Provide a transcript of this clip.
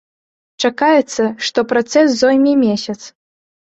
Чакаецца, што працэс зойме месяц.